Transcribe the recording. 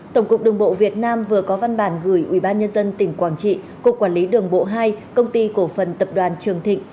tổng cục đường bộ việt nam vừa có văn bản gửi ubnd tỉnh quảng trị cục quản lý đường bộ hai công ty cổ phần tập đoàn trường thịnh